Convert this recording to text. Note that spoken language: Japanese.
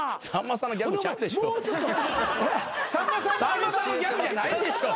さんまさんのギャグじゃないでしょ。